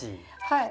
はい。